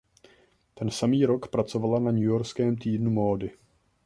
Ten samý rok pracovala na Newyorském týdnu módy.